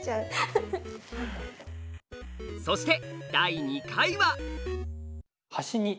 そして第２回は。